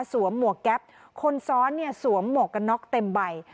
สวมหมวกแก๊ปคนซ้อนสวมหมวกกันน็อกเต็มใบ